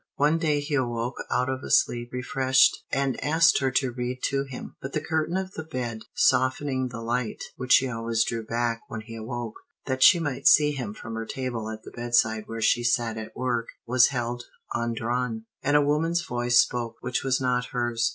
One day he awoke out of a sleep, refreshed, and asked her to read to him. But the curtain of the bed, softening the light, which she always drew back when he awoke, that she might see him from her table at the bedside where she sat at work, was held undrawn; and a woman's voice spoke, which was not hers.